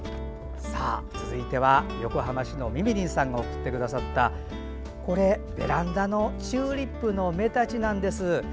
続いては、横浜市のみみりんさんが送ってくださったベランダのチューリップの芽たちなんです。